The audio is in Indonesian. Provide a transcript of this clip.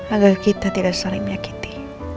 agar kita tidak saling menyakiti